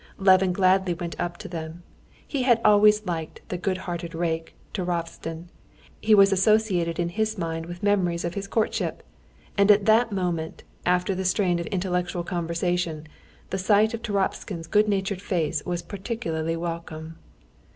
Levin gladly went up to them. He had always liked the good hearted rake, Turovtsin—he was associated in his mind with memories of his courtship—and at that moment, after the strain of intellectual conversation, the sight of Turovtsin's good natured face was particularly welcome.